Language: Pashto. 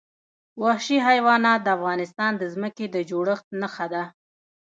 وحشي حیوانات د افغانستان د ځمکې د جوړښت نښه ده.